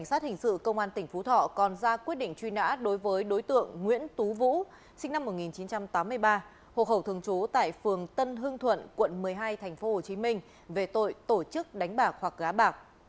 cảnh sát hình sự công an tỉnh phú thọ còn ra quyết định truy nã đối với đối tượng nguyễn tú vũ sinh năm một nghìn chín trăm tám mươi ba hộ khẩu thường trú tại phường tân hương thuận quận một mươi hai tp hcm về tội tổ chức đánh bạc hoặc gá bạc